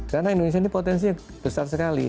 karena indonesia ini potensinya besar sekali